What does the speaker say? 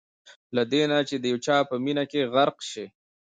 له دې نه چې د یو چا په مینه کې غرق شئ.